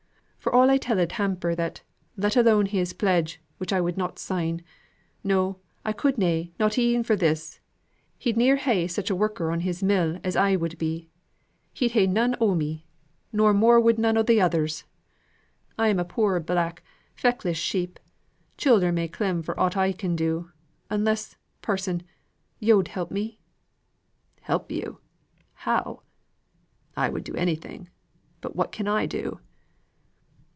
For all I telled Hamper that, let alone his pledge which I would not sign no, I could na, not e'en for this he'd ne'er ha' such a worker on his mill as I would be he'd ha' none o' me no more would none o' th' others. I'm a poor black feckless sheep childer may clem for ought I can do, unless, parson, yo'd help me?" "Help you! How? I would do anything, but what can I do?"